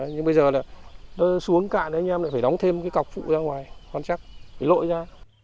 nhưng bây giờ nó xuống cạn thì anh em phải đóng thêm cái cọc phụ ra ngoài khoan chắc lội ra